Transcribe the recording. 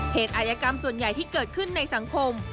อายกรรมส่วนใหญ่ที่เกิดขึ้นในสังคม